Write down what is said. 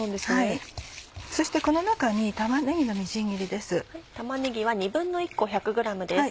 そしてこの中に玉ねぎのみじん切りです。